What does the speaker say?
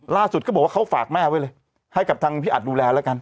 ล่าสุดก็บอกว่าเขาฝากแม่ไว้เลยให้กับทางพี่อัดดูแลแล้วกัน